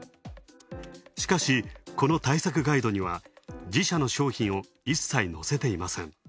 しかし、この対策ガイドには自社の商品を一切のせていません。